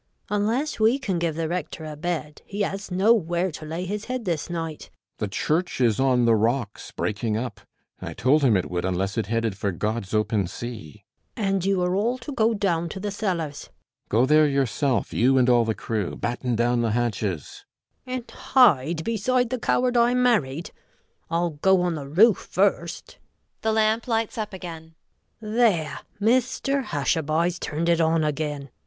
Unless we can give the Rector a bed he has nowhere to lay his head this night. CAPTAIN SHOTOVER. The Church is on the rocks, breaking up. I told him it would unless it headed for God's open sea. NURSE GUINNESS. And you are all to go down to the cellars. CAPTAIN SHOTOVER. Go there yourself, you and all the crew. Batten down the hatches. NURSE GUINNESS. And hide beside the coward I married! I'll go on the roof first. [The lamp lights up again]. There! Mr Hushabye's turned it on again.